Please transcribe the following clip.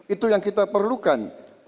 itu yang kita perlukan